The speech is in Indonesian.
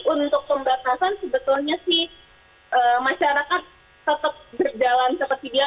untuk pembatasan sebetulnya sih masyarakat tetap berjalan seperti biasa